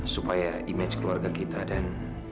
supaya image keluarga kita dan